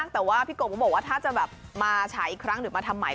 แต่พี่โกบบอกว่าถ้าจะมาใช้อีกครั้งหรือมาทำใหม่